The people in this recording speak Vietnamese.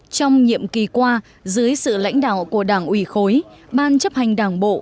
trong nhiệm kỳ qua dưới sự lãnh đạo của đảng ủy khối ban chấp hành đảng bộ